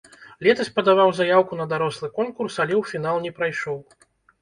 Летась падаваў заяўку на дарослы конкурс, але ў фінал не прайшоў.